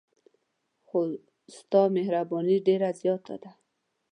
خو ستا مهرباني ډېره زیاته ده.